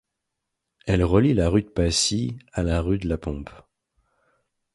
Elle relie la rue de Passy à la rue de la Pompe.